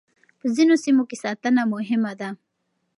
په ځينو سيمو کې ساتنه مهمه ده.